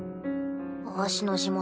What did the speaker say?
あしの地元。